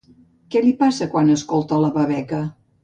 Què li passa quan escolta la babeca?